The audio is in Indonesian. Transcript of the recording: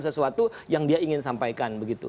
sesuatu yang dia ingin sampaikan begitu